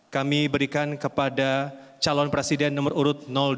kami berikan kepada calon presiden nomor urut dua